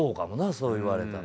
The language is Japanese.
そう言われたら。